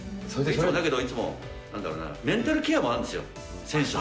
だけどいつも、なんだろうな、メンタルケアもあるんですよ、選手の。